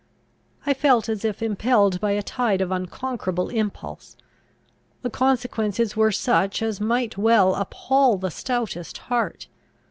I felt as if impelled by a tide of unconquerable impulse. The consequences were such as might well appal the stoutest heart.